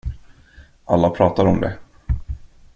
Alla pratar om det.